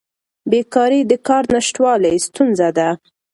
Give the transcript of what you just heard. بیکاري د کار نشتوالي ستونزه ده.